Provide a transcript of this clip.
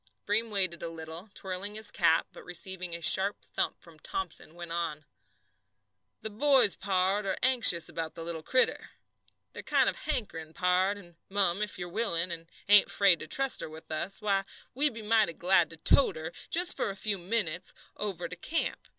Breem waited a little, twirling his cap, but receiving a sharp thump from Thomson, went on: "The boys, pard, are anxious about the little critter. They're kind of hankering, pard, and, mum, if you are willin', and ain't 'fraid to trust her with us, why, we'd be mighty glad to tote her just for a few minutes over to camp.